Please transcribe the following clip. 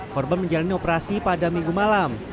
korban menjalani operasi pada minggu malam